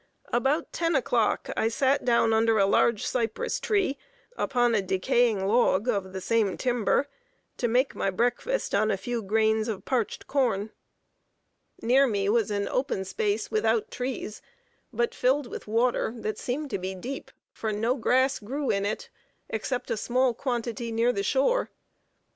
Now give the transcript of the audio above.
About ten o'clock I sat down under a large cypress tree, upon a decaying log of the same timber, to make my breakfast on a few grains of parched corn. Near me was an open space without trees, but filled with water that seemed to be deep, for no grass grew in it, except a small quantity near the shore.